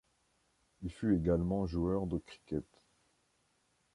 Il fut également joueur de cricket.